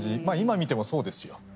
まあ今見てもそうですよ。